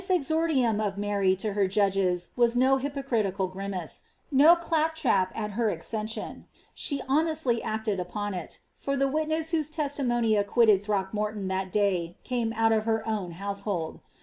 vordium of Mary to her judges was no hypocritical grimace, no clap trap at her accession ; she honestly acted upon it ; for the wit MAKT. 347 nera whose testimony acquitted Throckmorton that day came out of her own household.